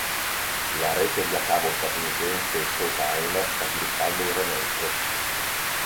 La rete via cavo statunitense Showtime sta sviluppando un remake.